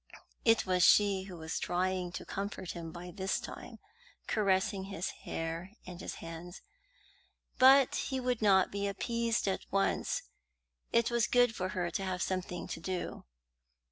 It was she who was trying to comfort him by this time, caressing his hair and his hands. But he would not be appeased at once; it was good for her to have something to do.